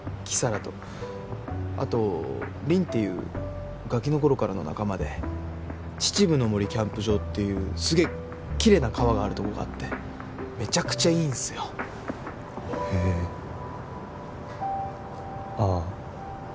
木皿とあと凛っていうガキの頃からの仲間で秩父の森キャンプ場っていうすげえきれいな川があるとこがあってめちゃくちゃいいんすよへえああ